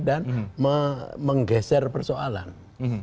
dan menggeser persoalan ini